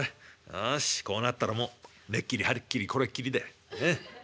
よしこうなったらもう根っきり葉っきりこれっきりだよ。